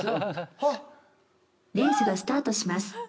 レースがスタートします。